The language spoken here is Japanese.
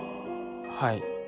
はい。